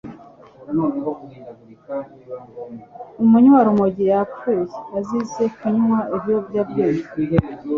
Umunywarumogi yapfuye azize kunywa ibiyobyabwenge.